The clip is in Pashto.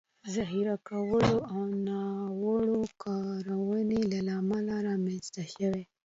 ذخیره کولو او ناوړه کارونې له امله رامنځ ته شوي